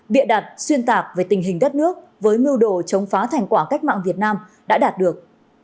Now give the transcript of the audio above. bịa đặt xuyên tạc về tình hình đất nước với mưu đồ chống phá thành quả cách mạng việt nam đã đạt được